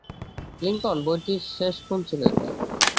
Lincoln, বইটির শেষ খুন ছিল এটা।